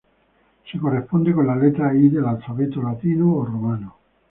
Se corresponde con la letra I del alfabeto latino o romano.